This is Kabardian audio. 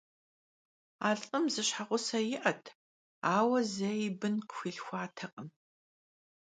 A lh'ım zı şheğuse yi'et, aue zei bın khıxuilhxuatekhım.